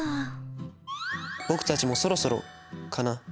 「僕たちもそろそろかな。